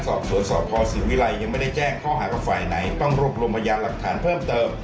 สอบสวนสพศรีวิรัยยังไม่ได้แจ้งข้อหากับฝ่ายไหนต้องรวบรวมพยานหลักฐานเพิ่มเติม